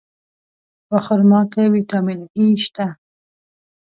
په خرما کې ویټامین E شته.